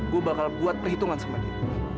gue bakal buat perhitungan sama dia